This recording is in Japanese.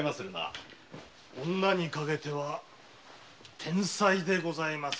女にかけては天才でございまするな。